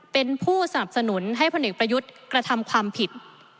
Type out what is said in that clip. เป็นผู้สนับสนุนให้พลเอกประยุทธ์กระทำความผิด